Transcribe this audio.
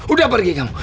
udah pergi kamu